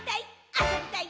あそびたい！」